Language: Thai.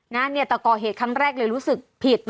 เนี่ยแต่ก่อเหตุครั้งแรกเลยรู้สึกผิด